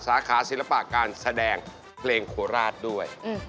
สาขาศิลปะการแสดงเพลงโคราชด้วย